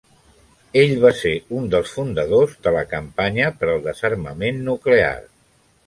Ell va ser un dels fundadors de la Campanya per al Desarmament Nuclear.